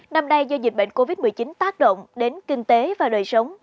năm nay do dịch bệnh covid một mươi chín tác động đến kinh tế và đời sống